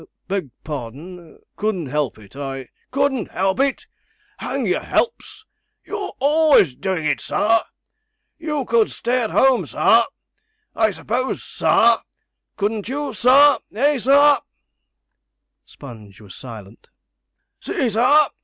'Beg pardon couldn't help it; I ' 'Couldn't help it. Hang your helps you're always doing it, sir. You could stay at home, sir I s'pose, sir couldn't you, sir? eh, sir?' Sponge was silent. 'See, sir!'